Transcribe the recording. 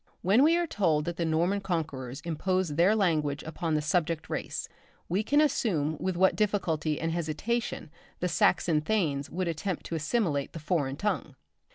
When we are told that the Norman conquerors imposed their language upon the subject race, we can understand with what difficulty and hesitation the Saxon thanes would attempt to assimilate the foreign tongue.